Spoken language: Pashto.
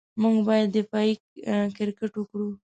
موږ ډېر دفاعي کرېکټ وکړ.